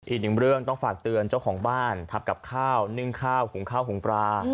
อีกหนึ่งเรื่องต้องฝากเตือนเจ้าของบ้านทำกับข้าวนึ่งข้าวหุงข้าวหุงปลา